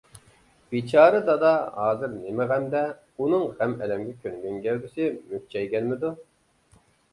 بىچارە دادا ھازىر نېمە غەمدە، ئۇنىڭ غەم-ئەلەمگە كۆنگەن گەۋدىسى مۈكچەيگەنمىدۇ؟